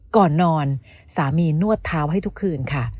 ก่อนนอนสามีนวดเท้าให้ทุกคืนค่ะ